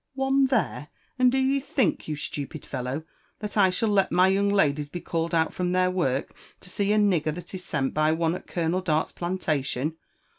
'•One there?— and do you think, you stupid feHoWt that I shall let my young ladies be called out from their work to see a nigger that is sent by onE at Colonel Dart's plantation?